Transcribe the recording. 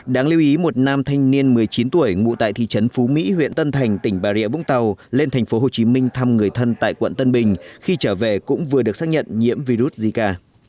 đáng lưu ý một nam thanh niên một mươi chín tuổi ngụ tại thị trấn phú mỹ huyện tân thành tỉnh bà rịa vũng tàu lên tp hcm thăm người thân tại quận tân bình khi trở về cũng vừa được xác nhận nhiễm virus zika